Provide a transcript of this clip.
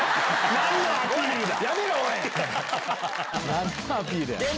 何のアピールや！